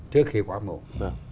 trước khi quá muộn